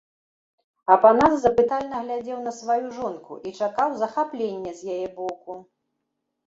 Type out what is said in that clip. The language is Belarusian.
Апанас запытальна глядзеў на сваю жонку і чакаў захаплення з яе боку.